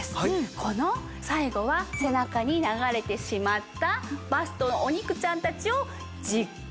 この最後は背中に流れてしまったバストのお肉ちゃんたちを。